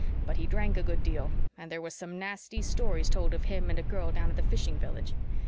But he drank a good deal, and there were some nasty stories told of him and a girl down at the fishing village.